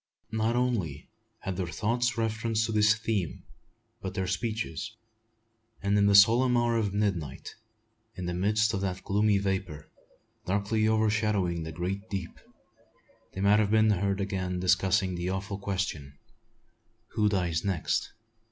Not only had their thoughts reference to this theme, but their speeches; and in the solemn hour of midnight, in the midst of that gloomy vapour, darkly overshadowing the great deep, they might have been heard again discussing the awful question, "Who dies next?"